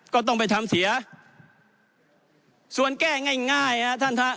ก็ต้องไปทำเสียส่วนแก้ง่ายง่ายฮะท่านฮะ